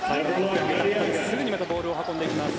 すぐにまたボールを運んでいきます